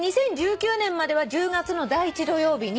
２０１９年までは１０月の第１土曜日にやってた。